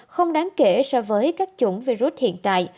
không đáng kể so với các chủng virus hiện tại